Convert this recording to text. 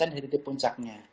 dari titik puncaknya